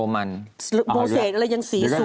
มูเศตแล้วยังสีสวย